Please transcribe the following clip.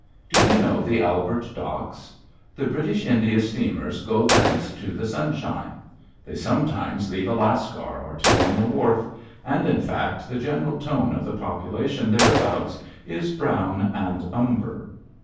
Do you know the Albert Docks? The British India steamers go thence to the sunshine. They sometimes leave a lascar or two on the wharf, and, in fact, the general tone of the population thereabouts is brown and umber.